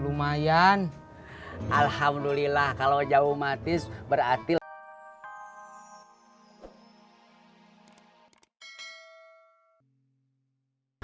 lumayan alhamdulillah kalau jauh matis berarti lah